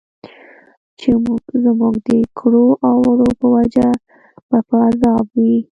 چې زموږ د کړو او وړو په وجه به په عذاب وي.